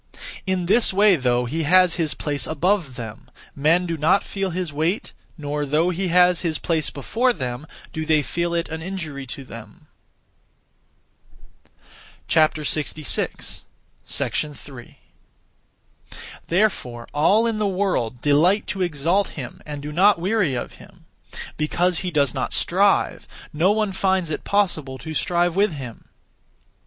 In this way though he has his place above them, men do not feel his weight, nor though he has his place before them, do they feel it an injury to them. 3. Therefore all in the world delight to exalt him and do not weary of him. Because he does not strive, no one finds it possible to strive with him.